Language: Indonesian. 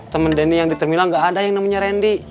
teman denny yang di terminal nggak ada yang namanya randy